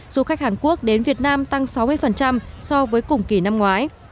du khách hàn quốc đến việt nam tăng sáu mươi so với cùng kỳ năm ngoái